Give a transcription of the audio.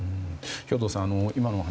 兵頭さん、今のお話